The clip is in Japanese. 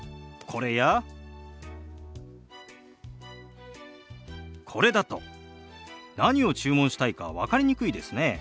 これだと何を注文したいか分かりにくいですね。